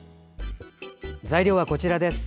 材料はこちらです。